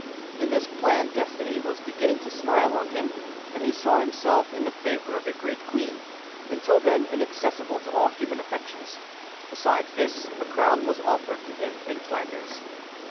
In this plan destiny was beginning to smile on him, and he saw himself in the favor of a great queen, until then inaccessible to all human affections. Besides this, a crown was offered to him in Flanders.